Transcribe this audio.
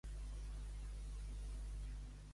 Ser cosa dura.